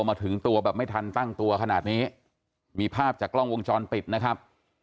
มาถึงตัวแบบไม่ทันตั้งตัวขนาดนี้มีภาพจากกล้องวงจรปิดนะครับ